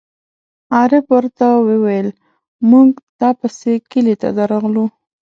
عارف ور ته وویل: مونږ تا پسې کلي ته درغلو.